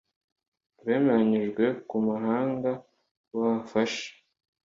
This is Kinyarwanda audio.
bemeranyijwe ku muhanga wabafasha